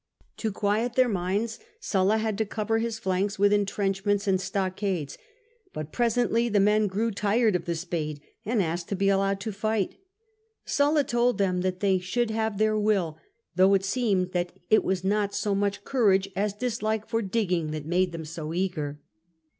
To quiet their minds Sulla had to cover his flanks with entrenchments and stockades ; but presently the men grew tired of the spade and asked to be allowed to fight. Sulla told them that they should have their will, though it seemed that it was not so much courage as dislike for digging that made them so eager."